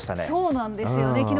そうなんですよね。